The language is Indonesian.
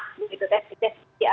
tidak lain dan tidak buka